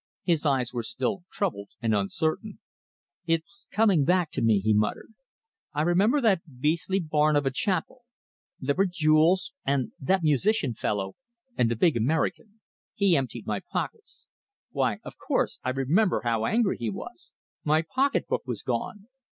His eyes were still troubled and uncertain. "It's coming back to me," he muttered. "I remember that beastly barn of a chapel. There were Jules, and that musician fellow, and the big American. He emptied my pockets ... Why, of course, I remember how angry he was ... My pocketbook was gone!